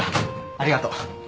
ありがと。